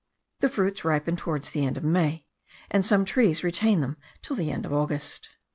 The fruits ripen towards the end of May, and some trees retain them till the end of August.